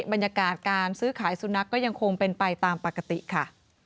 บรรยากาศการซื้อขายสุนัขก็ยังคงเป็นไปตามปกติค่ะ